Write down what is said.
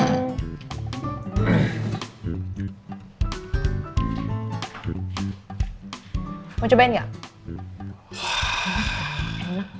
nggak aku makan nanti